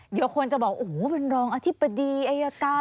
เยอะคนจะบอกโอ้มินรองอธิบดีไออากาศ